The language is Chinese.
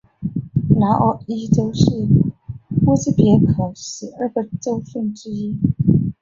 纳沃伊州是乌兹别克十二个州份之一。